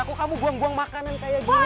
aku kamu buang buang makanan kayak gini